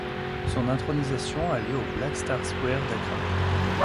Son intronisation a lieu au Black Star Square d'Accra.